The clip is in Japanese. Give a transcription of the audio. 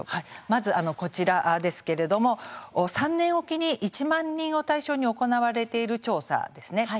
まず、こちらですけれども３年置きに１万人を対象に行われている調査ですね。